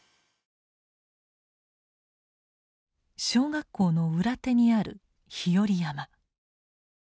小学校の裏手にある日和山。